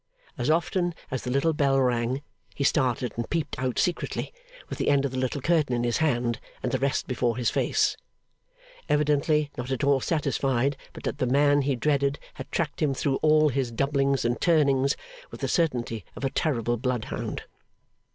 As often as the little bell rang, he started and peeped out secretly, with the end of the little curtain in his hand and the rest before his face; evidently not at all satisfied but that the man he dreaded had tracked him through all his doublings and turnings, with the certainty of a terrible bloodhound.